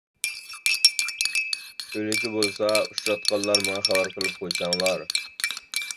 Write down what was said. ئۆلۈكى بولسا ئۇچراتقانلار ماڭا خەۋەر قىلىپ قويساڭلار.